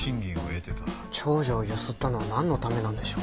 長女をゆすったのはなんのためなんでしょう？